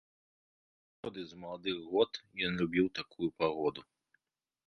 Заўсёды, з маладых год, ён любіў такую пагоду.